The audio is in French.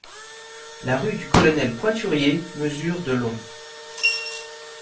La rue du Colonel-Pointurier mesure de long.